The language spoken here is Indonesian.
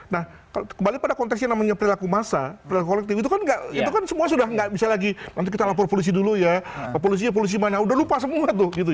nah kembali pada konteks yang namanya perilaku massa perilaku kolektif itu kan itu kan semua sudah nggak bisa lagi nanti kita lapor polisi dulu ya polisi polisi mana udah lupa semua tuh gitu